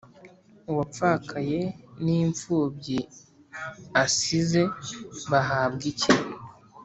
uwapfakaye n’imfubyi asize bahabwa iki